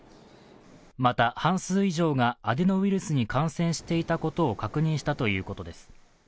また、半数以上がアデノウイルスに感染していたことを確認したということです。